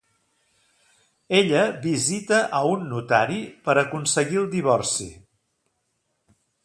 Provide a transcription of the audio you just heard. Ella visita a un notari per aconseguir el divorci.